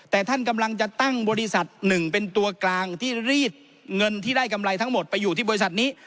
แต่ท่านกำลังจะตั้งบริษัทหนึ่งเป็นตัวกลางที่รีดเงินที่ได้กำไรทั้งหมดไปอยู่ที่บริษัทนี้